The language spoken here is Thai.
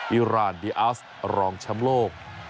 อิรานดีอาร์สรองชำโลก